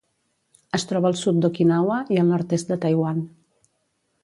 Es troba al sud d'Okinawa i nord-est de Taiwan.